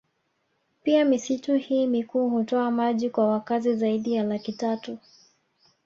Pia misitu hii mikuu hutoa maji kwa wakazi zaidi ya laki tatu